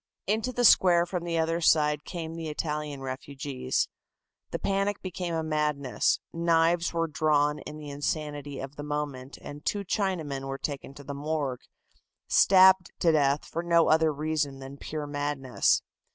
Into the square from the other side came the Italian refugees. The panic became a madness, knives were drawn in the insanity of the moment, and two Chinamen were taken to the morgue, stabbed to death for no other reason than pure madness.